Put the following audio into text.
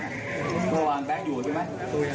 เมื่อวานแบงค์อยู่ไหนเมื่อวาน